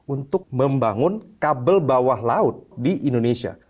untuk membangun kabel bawah laut di indonesia